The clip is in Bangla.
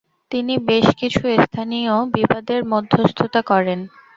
তিনি বেশ কিছু স্থানীয় বিবাদের মধ্যস্থতা করেন।